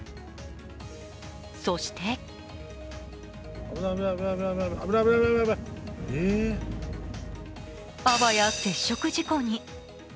そしてあわや接触事故に。